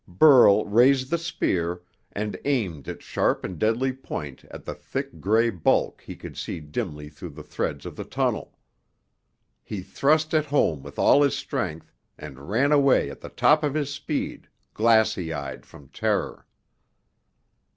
Burl raised the spear and aimed its sharp and deadly point at the thick gray bulk he could see dimly through the threads of the tunnel. He thrust it home with all his strength and ran away at the top of his speed, glassy eyed from terror.